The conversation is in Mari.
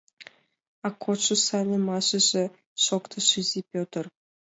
— А кодшо сайлымашыже? — шоктыш изи Петр.